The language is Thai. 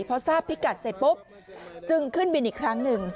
พอทราบพิกัดเสร็จปุ๊บจึงขึ้นบินอีกครั้งหนึ่ง